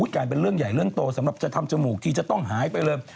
กลายเป็นเรื่องใหญ่เรื่องโตสำหรับจะทำจมูกทีจะต้องหายไปเลย